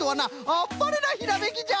あっぱれなひらめきじゃ。